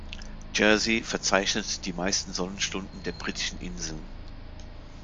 Jersey verzeichnet die meisten Sonnenstunden der Britischen Inseln.